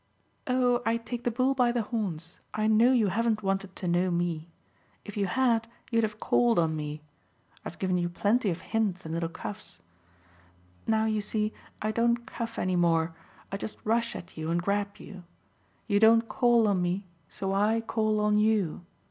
"Oh I take the bull by the horns I know you haven't wanted to know me. If you had you'd have called on me I've given you plenty of hints and little coughs. Now, you see, I don't cough any more I just rush at you and grab you. You don't call on me so I call on YOU.